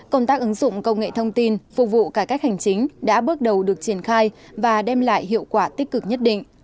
công tác ứng dụng công nghệ thông tin phục vụ cải cách hành chính đã bước đầu được triển khai và đem lại hiệu quả tích cực nhất định